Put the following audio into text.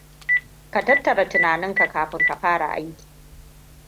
Ka tattara tunaninka kafin ka fara aiki.